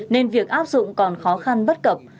nên việc áp dụng còn khó khăn bất cập